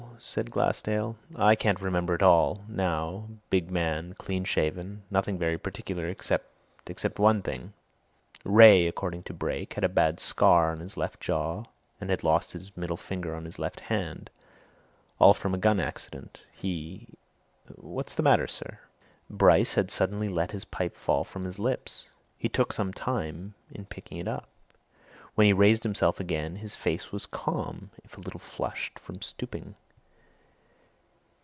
said Glassdale. "I can't remember it all, now big man, clean shaven, nothing very particular except one thing. Wraye, according to Brake, had a bad scar on his left jaw and had lost the middle finger of his left hand all from a gun accident. He what's the matter, sir?" Bryce had suddenly let his pipe fall from his lips. He took some time in picking it up. When he raised himself again his face was calm if a little flushed from stooping.